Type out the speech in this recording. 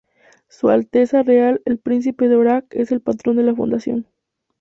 Su Alteza Real el Príncipe de Orange es el Patrón de la Fundación.